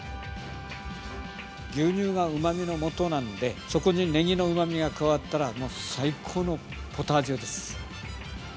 牛乳がうまみの素なんでそこにねぎのうまみが加わったらもう最高のポタージュです。